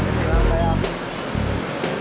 jalan jalan men